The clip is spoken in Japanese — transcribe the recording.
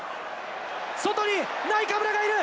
外にナイカブラがいる！